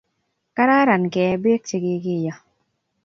kararan kee beek che kikiyo